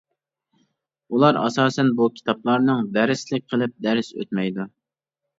ئۇلار ئاساسەن بۇ كىتابلارنىڭ دەرسلىك قىلىپ دەرس ئۆتمەيدۇ.